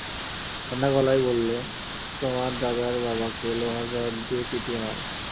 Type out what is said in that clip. ঠাণ্ডা গলায় বললেন, তোমার দাদার বাবাকে লোহার রড দিয়ে পিটিয়ে মারে?